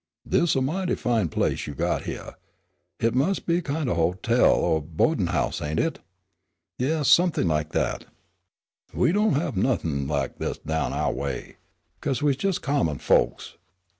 "Dis is a mighty fine place you got hyeah. Hit mus' be a kind of a hotel or boa'din' house, ain't hit?" "Yes, something like." "We don' have nuffin' lak dis down ouah way. Co'se, we's jes' common folks.